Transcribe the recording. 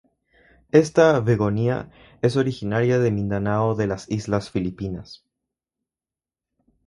Esta "begonia" es originaria de Mindanao de las islas Filipinas.